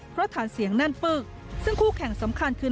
เพราะฐานเสียงแน่นปึกซึ่งคู่แข่งสำคัญคือ